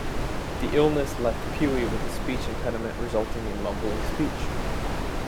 The illness left Puey with a speech impediment resulting in mumbling speech.